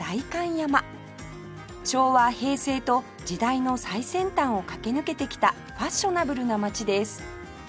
昭和平成と時代の最先端を駆け抜けてきたファッショナブルな街です